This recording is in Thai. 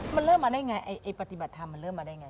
มันเริ่มมาได้ไงไอ้ปฏิบัติธรรมมันเริ่มมาได้ไง